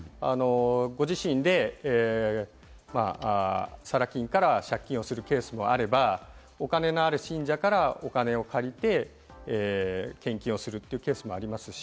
ご自身で借金をするケースもあれば、お金のある信者からお金を借りて、献金をするというケースもあります。